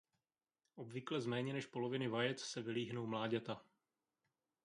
Obvykle z méně než poloviny vajec se vylíhnou mláďata.